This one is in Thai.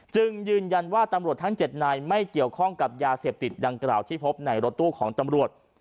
จึงยืนยันว่าตำรวจทั้ง๗นายไม่เกี่ยวข้องกับยาเสพติดดังกล่าวที่พบในรถตู้ของตำรวจ